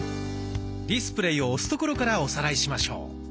「ディスプレイ」を押すところからおさらいしましょう。